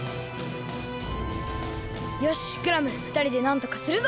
よしクラムふたりでなんとかするぞ！